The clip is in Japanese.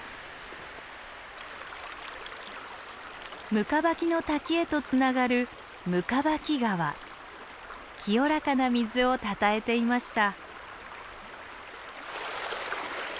行縢の滝へとつながる清らかな水をたたえていました。